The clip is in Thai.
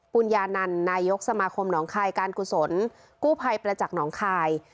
ญญานันนายกสมาคมหนองคายการกุศลกู้ภัยประจักษ์หนองคาย